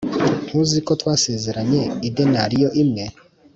Ntuzi ko twasezeranye idenariyo imwe?